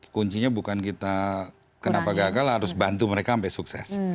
kuncinya bukan kita kenapa gagal harus bantu mereka sampai sukses